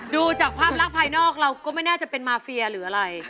ดูจากภาพลักษณ์ภายนอกเราก็ไม่น่าจะเป็นมาเฟียหรืออะไร